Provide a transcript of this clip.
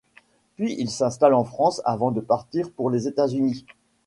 Puis il s'installe en France avant de partir pour les États-Unis.